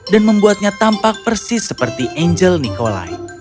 dan membuatnya tampak persis seperti angel nikolai